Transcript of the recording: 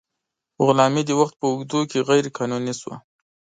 غلامي د وخت په اوږدو کې غیر قانوني شوه.